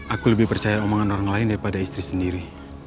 aku lebih percaya omongan orang lain daripada istri sendiri